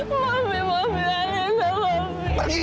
kamu berdua benar benar onu di gracu stepneya